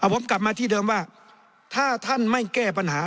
ผมกลับมาที่เดิมว่าถ้าท่านไม่แก้ปัญหา